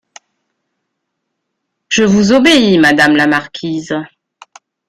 Je vous obéis, madame la marquise.